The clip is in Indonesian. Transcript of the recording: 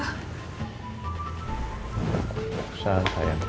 aku tak usah sayang